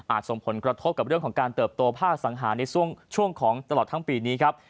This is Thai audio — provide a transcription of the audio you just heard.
ส่งผลกระทบกับเรื่องของการเติบโตภาคสังหารในช่วงของตลอดทั้งปีนี้ครับ